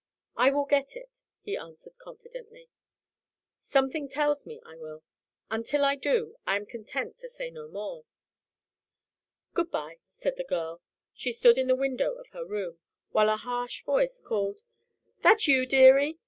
"I will get it," he answered confidently. "Something tells me I will. Until I do, I am content to say no more." "Good by," said the girl. She stood in the window of her room, while a harsh voice called "That you, dearie?"